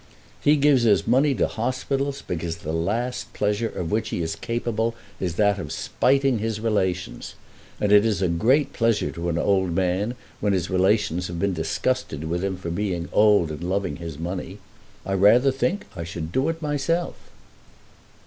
He gives his money to hospitals because the last pleasure of which he is capable is that of spiting his relations. And it is a great pleasure to an old man, when his relations have been disgusted with him for being old and loving his money. I rather think I should do it myself."